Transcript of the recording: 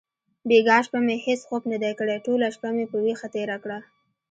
بیګا شپه مې هیڅ خوب ندی کړی. ټوله شپه مې په ویښه تېره کړه.